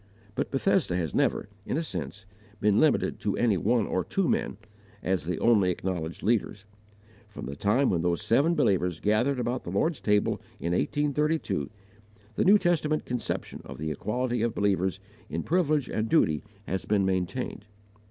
But Bethesda has never, in a sense, been limited to any one or two men, as the only acknowledged leaders; from the time when those seven believers gathered about the Lord's table in 1832, the New Testament conception of the equality of believers in privilege and duty has been maintained.